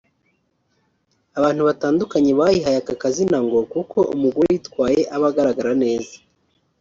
abantu batandukanye bayihaye aka kazina ngo kuko umugore uyitwaye aba agaragara neza